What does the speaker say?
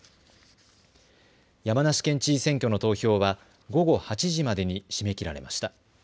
山梨県知事選挙の投票は午後８時までに締め切られました。